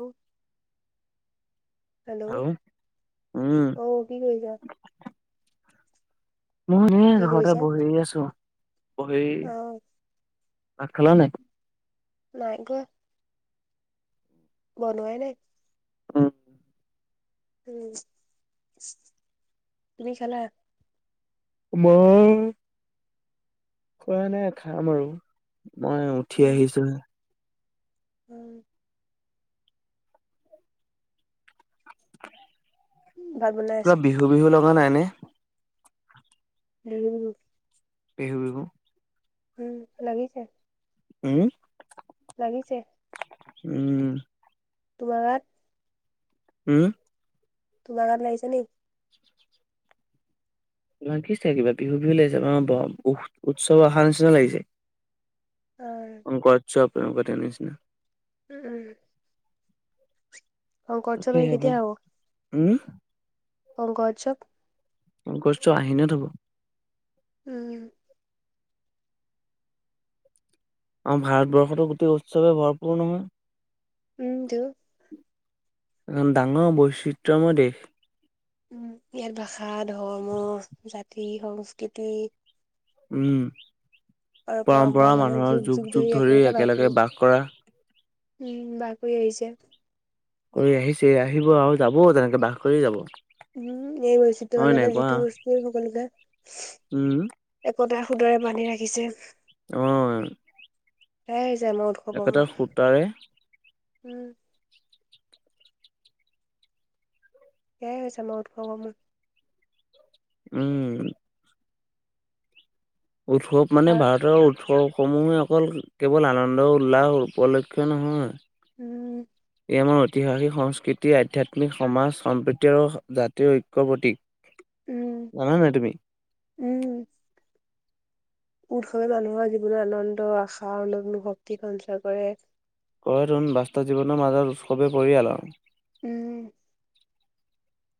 উ। হেল্ল' আৰু উম অ কি কৰিছে? মই এ ঘৰতে বহি আছো। বহি অ' ভাত খালা নাই। নাই গোৱা। বনোৱাই নাই। উম উম তুমি খালা। ময়। খোৱা নাই খাম আৰু মই উঠি উম, আহিছোহে। উম। ভাত বনাই আছে। পৰা বিহু বিহু লগা নাই নে। উ। বিহু বিহু। উম লাগিছে। উম। লাগিছে। উম তোমাৰ তাত উম তোমাৰ গাত লাগিছে নি লাগিছে কিবা বিহু বিহু লাগি যাব আমাৰ উৎসৱ অহাৰ নিচিনা লাগিছে। অ' কোন [unintelligible] তে নিছনা উম অ কৰছ তাকে ভাই পাই কেতিয়া হব উম [unintelligible] গছটো আহিনত হব। উম আমাৰ ভাৰতবৰ্ষটো গোটেই উৎসৱে ভৰপূৰ নহয়। উম দুু এখন ডাঙৰ বৈচিত্ৰময় দেশ উ ইয়াত ভাষা ধৰ্ম জাতি সংস্কৃতি উম পৰম্পৰা মানুহৰ যুগ যুগ ধৰি একেলগে বাস কৰা। উম বাকৰি আহিছে। কৰি আহিছে আহিব আৰু যাবও তেনেকে বাস কৰি যাব। উম এই [unintelligible] হয় নাই কোৱা যিটো বস্তুৱে সকলোকে উম একোতাই শুধৰাই বান্ধি ৰাখিছে। অ তাই [unintelligible] মোৰ উম একেটা সূতাৰে সয়াই হৈছে আমাৰ উৎসৱ সমূহ উম উৎসৱ মানে আৰু ভাৰতৰ উৎসৱ সমূহে অকল কেৱল আনন্দ উল্লাহ উপলক্ষ নহয় উম তেওঁমৰ ঐতিহাসিক সংস্কৃতি আধ্যাত্মিক সমাজ সম্প্ৰীতি আৰু জাতীয় ঐক্য প্ৰতীক উম জানা নাই তুমি উম উৎসৱে মানুহৰ জীৱন আনন্দ আশা আৰু নগ্ন শক্তি সঞ্চয় কৰে কয় তোন বাস্তৱ জীৱনৰ মাজত উৎসৱে পৰিয়ালাও উম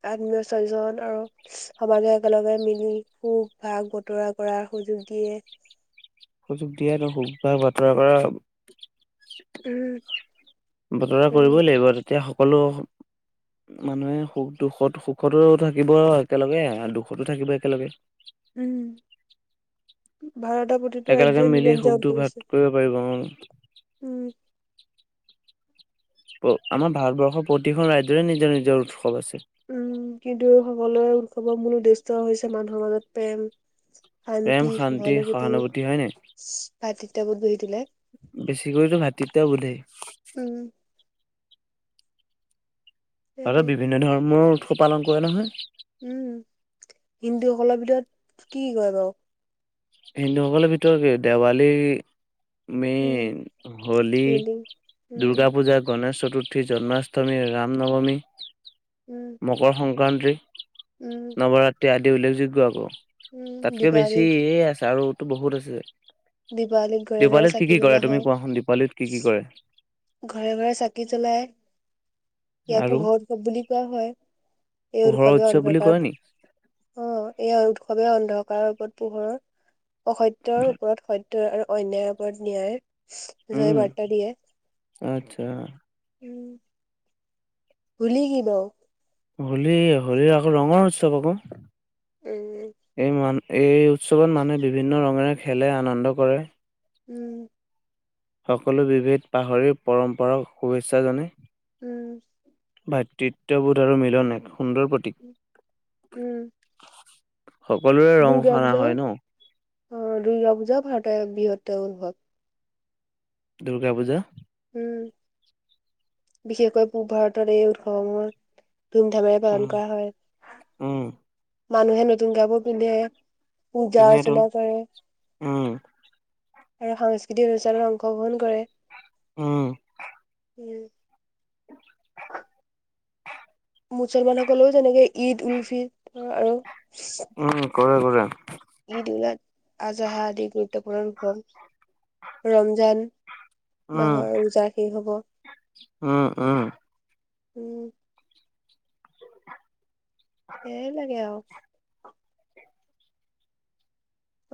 আত্মীয় স্বয়জন আৰু সমাজে একেলগে মিলি সুখ ভাগ বতৰা কৰা সুযোগ দিয়ে। সুযোগ দিয়া সুখ ভাগ বাতৰা কৰা। উম বতৰা উম কৰিবই লাগিব তেতিয়া সকলো। মানুহে সুখ দুখত সুখতো থাকিব একেলগে আৰু দুখতো থাকিব একেলগে উম ভাৰতৰ প্ৰতিটো একেলগে ৰাজ্যই মিলি সুখ নিজা দুখ ভাগ কৰিছে। কৰিব পাৰিব উম আমাৰ ভাৰতবৰ্ষৰ প্ৰতিখন ৰাজ্যৰে নিজৰ নিজৰ উৎসৱ আছে উম কিন্তু সকলোৰে উৎসৱৰ মূল উদ্দেশ্য হৈছে মানুহৰ মাজত প্ৰেম প্ৰেম শান্তি, শান্তি সহানুভূতি, হয় নাই ভাতৃত্ববোধ গঢ়ি তোলে তেতিয়া বোলেই উম। ভাৰতত সেইটোৱে বিভিন্ন ধৰ্মৰ উৎসৱ পালন কৰে নহয়। উম হিন্দুসকলৰ ভিতৰত কি বাৰু হিন্দুসকলৰ ভিতৰত দেৱালী উম মেইন হলী, হোলী উম দুৰ্গা পূজা, গণেশ চতুৰ্থী জন্মাষ্টমী, ৰাম নৱমী, উম মকৰ সংক্ৰান্তি। উম নৱৰাত্ৰি আদি উল্লেখযোগ্য আকৌ উম তাতকে বেছি দীপাৱলীত আছে আৰুতো বহুত আছে। দীপাৱলীত ঘৰে ঘৰে দীপাৱালীত কি চাকি কি জ্বলোৱা কৰে তুমি হয় কোৱা চোন দীপাৱালীত কি কি কৰে? ঘৰে ঘৰে চাকি জ্বলাই। ইয়া আৰু পোহৰ উৎসৱ বুলি কোৱা হয়, এই পোহৰৰ উৎসৱে উৎসৱ বুলি অন্ধকাৰ কয় নি অ এই উৎসৱে অন্ধকাৰ ওপৰত পোহৰৰ অসত্যৰ ওপৰত সত্য ৰ আৰু অন্যাৰ ওপৰত ন্যায় উম বাৰ্তা দিয়ে। আচ্ছা। হলী কি বাও? হলী- হলীৰ আকৌ ৰঙৰ উৎসৱ আকৌ। উম এই মান এই উৎসৱত মানুহে বিভিন্ন ৰঙেৰে খেলে আনন্দ কৰে। উম। সকলো বিভেদ পাহৰি পৰম্পৰাক শুভেচ্ছা জনায়। উম। ভাতৃত্ববোধ আৰু মিলন এক সুন্দৰ প্ৰতীক। উম সকলোৰে ৰং দুৰ্গা সানা পূজাও হয় ন? অ দুৰ্গা পূজা ভাৰতৰ এক বৃহত্তৰ উৎসৱ। দুৰ্গা পূজা। উম বিশেষকৈ পূৱ ভাৰতৰ এই উৎসৱসমূহত ধুমধামেৰে উম পালন কৰা হয়, উম মানুহে নতুন কাপোৰ পিন্ধে। পূজা পিন্ধেতো অৰ্চনা কৰে। উম আৰু সাংস্কৃতিক অনুষ্ঠানত অংশগ্ৰহণ কৰে। উম। উম। মুছলমান সকলেও তেনেকে ঈদ উল ফিতৰ আৰু উম কৰে কৰে। ঈদ উলা আদাহা আদি গুৰুত্বপূৰ্ণ উৎসৱ। ৰমজান উম মাহৰ ৰোজা শেষ হব। উম উম উম। সেই লাগে আৰু।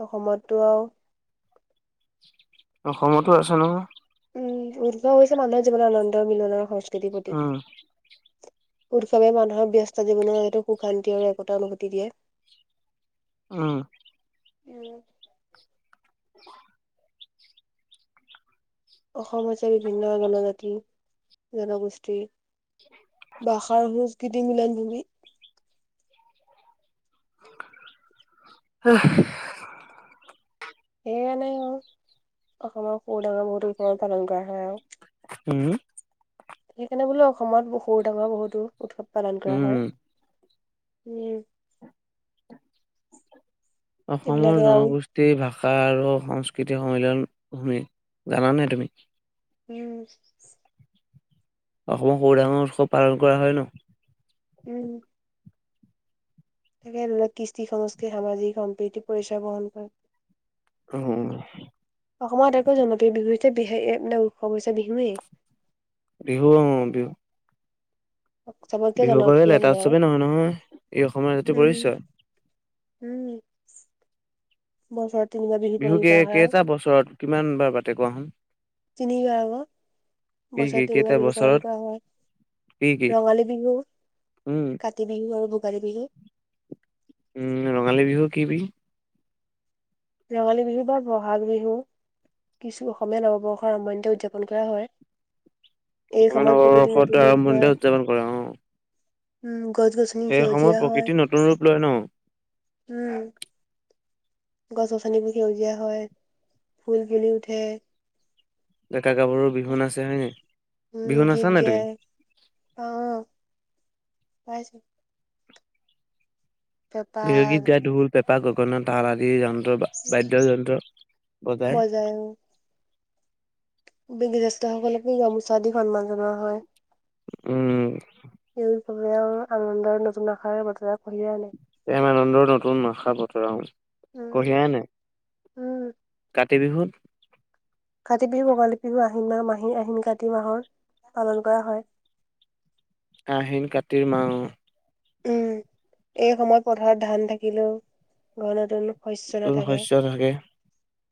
অসমটো আৰু অসমতো আছে নহয়। উম উৎসৱ হৈছে মানুহৰ জীৱনৰ আনন্দ মিলনৰ সংস্কৃতিৰ উম প্ৰতীক। উৎসৱে মানুহৰ ব্যস্ত জীৱনৰ হয়তো সুখ শান্তি আৰু একতা অনুভূতি দিয়ে। উম। উম। [inaudible] অসম হৈছে বিভিন্ন জনজাতি জনগোষ্ঠীৰ ভাষাৰ সংস্কৃতি মিলন ভূমি। অহ [unintelligible] সেইকাৰণে আৰু অসমত সৰু ডাঙৰ বহুতো উৎসৱ পালন কৰা হয় আৰু। [unintelligible] হুম সেইকাৰণে বোলো অসমত সৰু ডাঙৰ বহুতো উৎসৱ পালন কৰা উম হয়। হোম। অসমৰ জনগোষ্ঠীৰ ভাষা ভাষা আৰু সংস্কৃতিৰ সন্মিলন ভূমি জানা নাই তুমি? উম। অসমৰ সৰু ডাঙৰ উৎসৱ পালন কৰা হয় ন। উম তাকে ধৰৰ কৃষ্টি সংস্কৃতি সামাজিক সম্প্ৰীতি পৰিচয় বহন অ কৰে অসমত এককৈ জনপ্ৰিয় বিহুতে বিশেষ এক উৎসৱ হৈছে বিহুৱেই। বিহু অ বিহু চবকে বিহু অকল জনপ্ৰিয় এটা মানে আৰু উৎসৱেই নহয় নহয়। ই অসমৰ জাতীয় উম পৰিচয় উম বছ [unintelligible] বিহু কেই কেইটা বছৰত কিমান বাৰ পাতে কোৱা শুন [unintelligible] তিনিবাৰ আক কি কি বছৰত কেইটা তিনিবাৰ বিহু পালন বছৰত কৰা কি কি হয় ৰঙালী বিহু উম কাতি বিহু আৰু ভোগালী বিহু উম ৰঙালী বিহু কি বি ৰঙালী বিহু বা বহাগ বিহু কিছু অসমীয়া নৱবৰ্ষৰ আৰম্ভণিতে উদযাপন কৰা হয় এই অসমীয়া সময়ত প্ৰকৃতিৰ নৱবৰ্ষত নতুন ৰূপ আৰম্ভণিতে লয়। উদযাপন কৰে অ। উম গছ গছনি সেই সময়ত সেউজীয়া হয় প্ৰকৃতি নতুন ৰূপ লয় ন উম গছ গছনিবোৰ সেউজীয়া হয় ফুল পুলি উঠে ডেকা গাভৰু বিহু নাচে হয় নাই বিহু নাচা গীত নাই তুমি। গাই পাও অঁ পাইছোঁ বিহুগীত গাই ঢোল পেপা গগনা তাল আদি জন্ত বাদ্য যন্ত্ৰ বজাই বাদ্য [unintelligible] জ্যেষ্ঠ সকলকো গামোচা দি সন্মান জনোৱা হয় উম সবে আনন্দৰ নতুন আশাৰ বতৰা কঢ়িয়াই আনে। প্ৰেম আনন্দৰ নতুন আশা বতৰাও উম কঢ়িয়াই নাই [unintelligible] উম কাতি বিহুত কাতি বিহু ভোগালী বিহু আহিন মাহ মাহী আহিন কাতি মাহৰ পালন কৰা হয় [unintelligible] [inaudible] আহিন কাতিৰ মাহ অ [unintelligible] উম এই সময়ত পথাৰত ধান থাকিলোও ঘৰ নাটনো [unintelligible] নতুন শস্য থাকে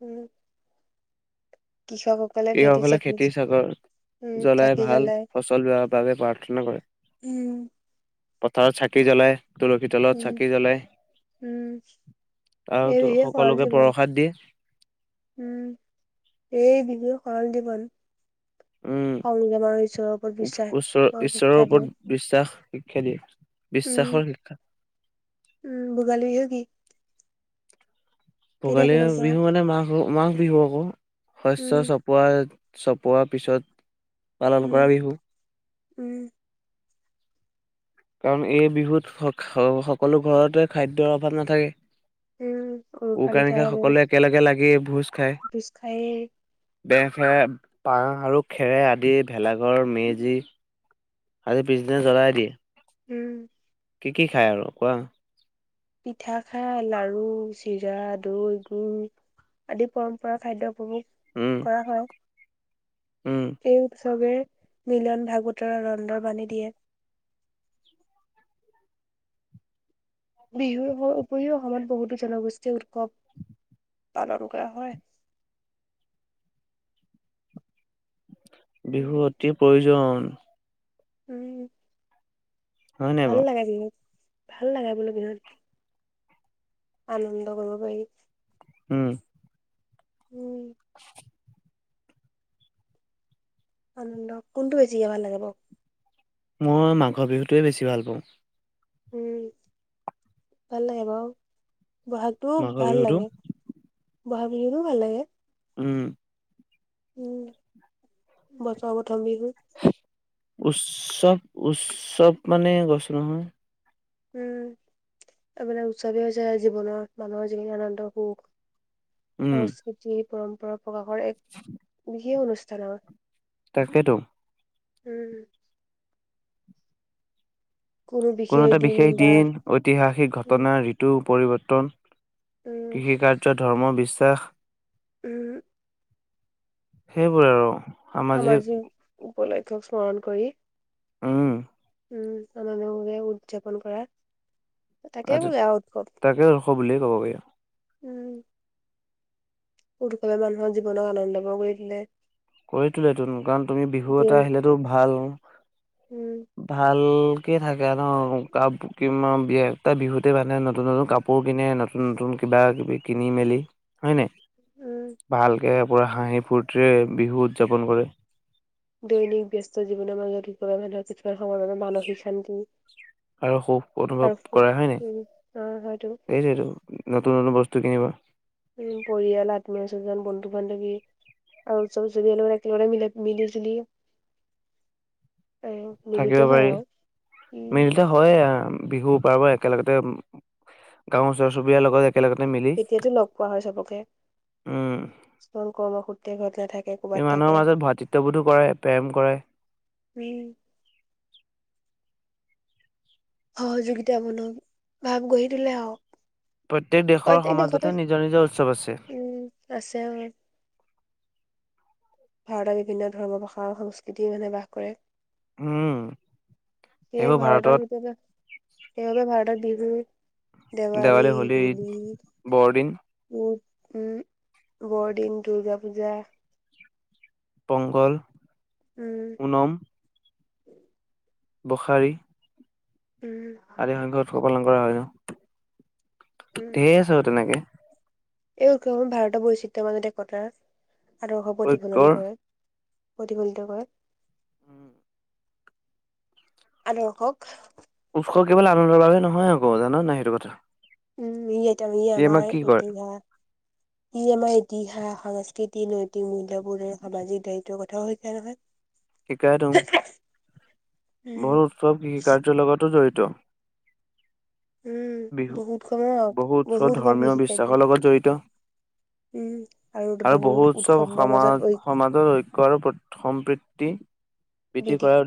উম কৃষকসকলে ভেটি কৃষক হলে চাকি খেতি উম চাগৰত জ্বলাই চাকি ভাল ফচল বাবে প্ৰাৰ্থনা কৰে উম পথাৰত চাকি জ্বলাই তুলসী তলত উম চাকি জ্বলাই উম এই আৰু বিহুৱে সৰল সকলোকে জীৱন প্ৰৰসাদ দিয়ে [unintelligible] উম এই বিহু সৰল দীৱন [unintelligible] উম বিশ্বাস ওচ ঈশ্বৰৰ শিক্ষা দিয়ে ওপৰত বিশ্বাস শিক্ষা দিয়ে উম বিশ্বাসৰ শিক্ষা উম ভূগালী বিহু হে কি [unintelligible] কেতিয়া ভোগালী পালন কৰা বিহু হয় মানে মাঘ মাঘ বিহু আকৌ শস্য উম চপোৱা চপোৱাৰ পিছত পালন উম কৰা বিহু উম কাৰণ এই বিহুত সকলো ঘৰতে খাদ্যৰ অভাৱ নাথাকে উম উৰুকা উকাৰো নিশা ভাৱে সকলোৱে একেলগে লাগি ভোজ খাইৰ বে খেৰ বাঁহ হ আৰু খেৰে আদি ভেলাঘৰ মেজি আৰু পিছদিনা জ্বলাই দিয়ে। উম কি কি খায় আৰু কোৱা? পিঠা খায় লাৰু, চিৰা, দৈ, গুৰ আদি পৰম্পৰা খাদ্য উপভোগ উম কৰা হয়। উম। চবে মিলন ভাগুতৰা ৰন্ধৰ বান্ধি দিয়ে। বিহুৰ উপৰিও অসমত বহুতো জনগোষ্ঠী উৎসৱ পালন কৰা হয়। উম, বিহু অতি প্ৰয়োজন। উম। হয় নাই ভাল বাৰু লাগে বিহুত ভাল লাগে বোলো বিহু। [unintelligible] আনন্দ কৰিব পাৰি। উম। উম, আনন্দ কোনটো বেছিকেভাল লাগিব? মই মাঘৰ বিহুটোৱে বেছি ভাল পাওঁ। উম। ভাল লাগে বাও। বহাগটো মাঘৰ ভাল বিহুটো লাগে। বহাগ বিহুটো ভাল লাগে। উম। উম বছৰৰ প্ৰথম বিহু। উৎসৱ উৎসৱ মানে কৈছো নহয়। উম। তামানে উৎসৱে হৈছে জীৱনৰ মানুহৰ যিখিনি আনন্দ সুখ, উম সংস্কৃতি পৰম্পৰা প্ৰকাশৰ এক বিশেষ অনুষ্ঠানৰ তাকেতো উম। কোনো এটা বিশেষ দিন, ঐতিহাসিক উম ঘটনা ঋতু পৰিৱৰ্তন, উম, কৃষিকাৰ্য, ধৰ্ম, বিশ্বাস। উম। সেইবোৰ আৰু। সামাজিক উপলক্ষক স্মৰণ কৰি। উম। উম সমাজৰ বাবে উদযাপন কৰা তাকে বোলে আও উৎসৱ। তাকে উৎসৱ বুলিয়ে বুলি ক'ব পাৰি উম উৎসৱে মানুহৰ জীৱনক আনন্দময় কৰি তুলে কৰি তোলে তোন কাৰণ তুমি বিহু এটা আহিলেতো ভাল। উম ভাল কে থাকে ন। কাপ কিমান বিয়া বিহুতে বান্ধে নতুন নতুন কাপোৰ কিনে। নতুন নতুন কিবা কিবি কিনি মেলি হয় নাই? উম ভালকে পুৰা হাঁহি ফূৰ্তিৰে বিহু উদযাপন কৰে। দৈনিক ব্যস্ত জীৱনৰ মাজত কি মানুহৰ কিছুমান সময় বাবে মানসিক শান্তি। আৰু সুখ অনুভৱ আৰু সুখ কৰা হয় নাই? উম অ হয়তো সেইটোৱেটো নতুন নতুন বস্তু। টো কিনিবা। উম পৰিয়াল আত্মীয স্বজন বন্ধু বান্ধৱী। আৰু উৎসৱ চবে একেলগে মিলা মিলিজুলি। থাকিব পাৰি। উম মিলতে হয়ে বিহু পাৰ কৰা একেলগতে- গাঁওৰ ওচৰ চুবুৰীয়া লগত একেলগতে মিলি। উম স্তন কৰ্মসূত্ৰে - এই মানুহৰ মাজত ভাতৃত্ববোধো কৰে প্ৰেম কৰে। - [unintelligible] সহযোগিতা মূলক ভাৱ গঢ়ি টোলে আউ। প্ৰত্যেক দেশৰ প্ৰত্যেক সমাজতে দেশতে নিজৰ নিজৰ উৎসৱ আছে উম আছে অ। ভাৰতৰ বিভিন্ন ধৰ্ম ভাষা, সংস্কৃতি মানে বাস কৰে। উম, সেই সেইবোৰ ভাৰতৰ ভাৰতত ভিতৰতে, সেইবাবে ভাৰতত দীৰ্ঘদিন - দেৱালী হোলী- বৰদিন, উম বৰদিন, দুৰ্গা পূজা- পংগল, উম পুনম- [inaudible] বখাৰী- উম আদি সংখ্যক উৎসৱ পালন কৰা হয় ন- উম ধেই আছে বা তেনেকে- এই উৎসৱসমূহ ভাৰতৰ বৈচিত্ৰ্যৰ মাজত একতাৰ আদৰ্শ প্ৰতিফলন ঐক্যৰ কৰে- প্ৰতিফলিত কৰে- আদৰ্শক- উৎসৱ কেৱল আনন্দৰ বাবে নহয় আকৌ জান নাই সেইটো কথা- উম ই এটা ই আমাক আমাৰ কি কয় ইতিহাস- ই আমাৰ ইতিহাস সাংস্কৃতিক নৈতিক মূল্যবোধ আৰু সামাজিক দায়িত্বৰ কথাও শিকাই নহয়- শিকাই তোন- উম। বহুত উৎসৱ কৃষি কাৰ্যৰ লগতো জড়িত- উম বিহু বহুত কম বহু উৎসৱ বহুত কম ধৰ্মীয় কৃষি কাৰ্য বিশ্বাসৰ লগত জড়িত- উম আৰু বহুত বহু উৎসৱ উৎসৱৰ মাজত সমাজ সমাজৰ ঐক্য আৰু সম্প্ৰীতি- তি বৃদ্ধি ঐ কৰাৰ-